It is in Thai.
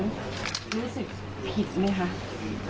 รู้สึกผิดไหมคะ